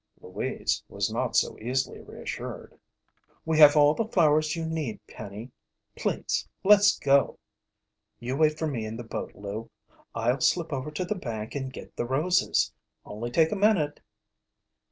Louise was not so easily reassured. "We have all the flowers you need, Penny. Please, let's go!" "You wait for me in the boat, Lou. I'll slip over to the bank and get the roses. Only take a minute."